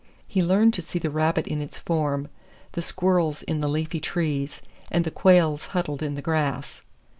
He learned to see the rabbit in its form, the squirrels in the leafy trees, and the quails huddled in the grass.